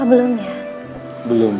atau belum ya